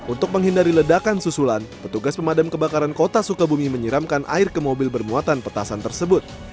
untuk menghindari ledakan susulan petugas pemadam kebakaran kota sukabumi menyiramkan air ke mobil bermuatan petasan tersebut